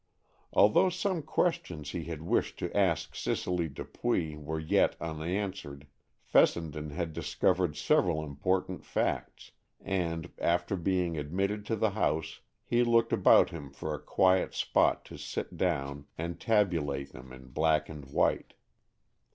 Although some questions he had wished to ask Cicely Dupuy were yet unanswered, Fessenden had discovered several important facts, and, after being admitted to the house, he looked about him for a quiet spot to sit down and tabulate them in black and white.